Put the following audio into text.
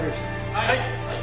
はい。